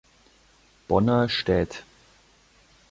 Bonner städt.